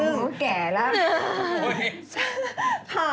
ค่ะก็แก่แล้วค่ะ